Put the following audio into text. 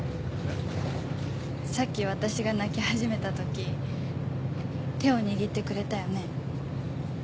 さっき私が泣き始めた時手を握ってくれたよね。